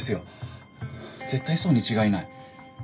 絶対そうに違いない。